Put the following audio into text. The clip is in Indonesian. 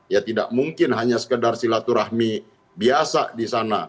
ya tidak mungkin hanya sekedar silaturahmi biasa di sana